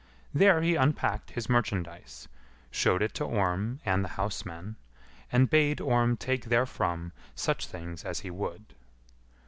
There he unpacked his merchandise, showed it to Orm and the housemen, and bade Orm take therefrom such things as he would.